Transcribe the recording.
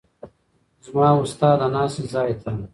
زما وو ستا د ناستې ځای ته